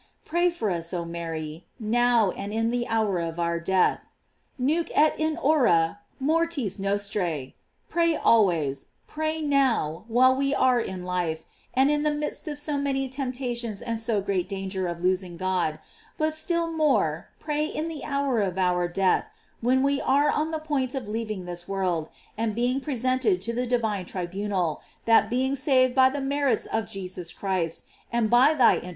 Pray for us, oh Mary. Now and in the hour of our death: "Nunc et in hora mortis nostrae." Pray always; pray now, while we are in life, in the midst of so many temptatiens and so great danger of losing God; but still more, pray in the hour of our death, when we are on the point of leaving this world and being pre sented at the divine tribunal; that being saved by the merits of Jesus Christ, and by thy in« 436 GLORIES OF MART.